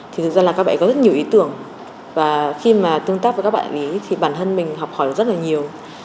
thì thực ra là các bạn có rất nhiều ý tưởng và khi mà tương tác với các bạn ấy thì bản thân mình học hỏi được rất là nhiều